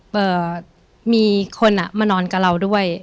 เอ่อมีคนมานอนกับเราด้วย